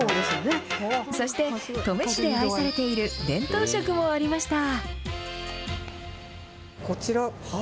そして登米市で愛されている伝統食もありました。